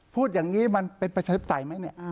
พูดอย่างนี้มันเป็นประชาธิปไตยไหมเนี่ย